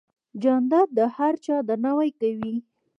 جانداد د هر چا درناوی کوي.